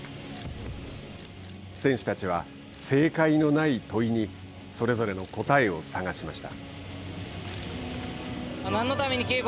選手たちは、正解のない問いにそれぞれの答えを探しました。